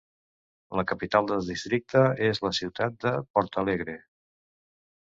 La capital del districte és la ciutat de Portalegre.